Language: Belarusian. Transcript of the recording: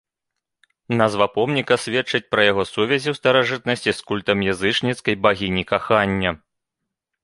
Назва помніка сведчыць пра яго сувязі ў старажытнасці з культам язычніцкай багіні кахання.